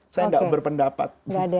saya nggak berpendapat